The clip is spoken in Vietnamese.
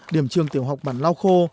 điểm trường tiểu học bản lao khô